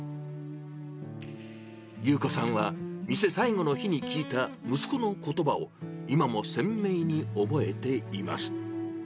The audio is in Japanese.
優子さんは、店最後の日に聞いた息子のことばを、今も鮮明に覚えています。